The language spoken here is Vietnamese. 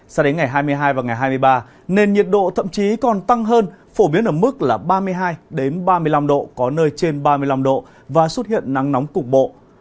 sao đến ngày hai mươi hai và ngày hai mươi ba nền nhiệt độ thậm chí còn tăng hơn phổ biến ở mức là ba mươi hai ba mươi năm độ có nơi trên ba mươi năm độ và xuất hiện nắng nóng cục bộ